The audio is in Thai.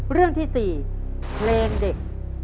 เรื่องที่๔เพลงเด็ก